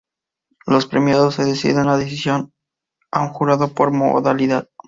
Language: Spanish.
Los premiados se deciden a decisión de un jurado por modalidad.